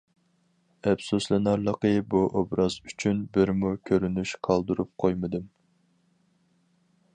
ئەپسۇسلىنارلىقى بۇ ئوبراز ئۈچۈن بىرمۇ كۆرۈنۈش قالدۇرۇپ قويمىدىم.